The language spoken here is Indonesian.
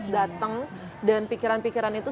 datang dan pikiran pikiran itu